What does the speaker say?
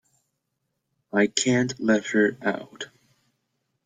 I can't let her out.